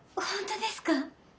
本当ですか？